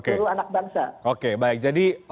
seluruh anak bangsa